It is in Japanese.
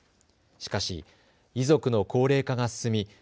しかし遺族の高齢化が進み